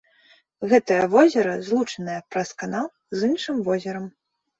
Гэтае возера злучанае праз канал з іншым возерам.